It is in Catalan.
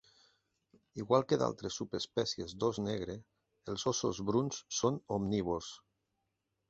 Igual que d'altres subespècies d'os negre, els ossos bruns són omnívors.